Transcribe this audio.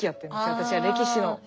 私は歴史の。